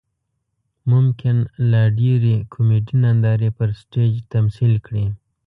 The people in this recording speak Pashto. ممکن لا ډېرې کومیډي نندارې پر سټیج تمثیل کړي.